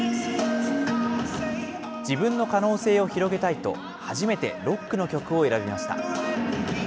自分の可能性を広げたいと、初めてロックの曲を選びました。